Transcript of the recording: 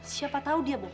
siapa tau dia bohong